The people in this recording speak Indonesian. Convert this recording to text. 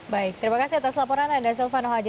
baik terima kasih atas laporan anda silvano haji